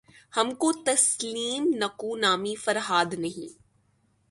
ہم کو تسلیم نکو نامیِ فرہاد نہیں